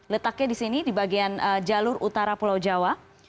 letaknya di sini di bagian jalur utara pulau jawa